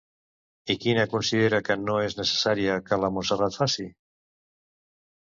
I quina considera que no és necessària que la Montserrat faci?